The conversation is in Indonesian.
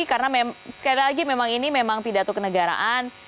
karena sekali lagi memang ini memang pidato kenegaraan